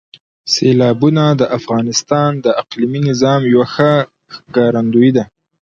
سیلابونه د افغانستان د اقلیمي نظام یو ښه ښکارندوی ده.